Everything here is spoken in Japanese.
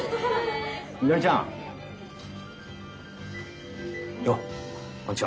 みのりちゃん。よっこんちは。